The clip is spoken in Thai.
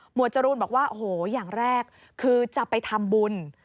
หมวดจรูนบอกว่าอย่างแรกคือจะไปทำบุญ